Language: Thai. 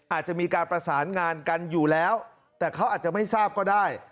อาจจะมีการประสานงานกันอยู่แล้วแต่เขาอาจจะไม่ทราบก็ได้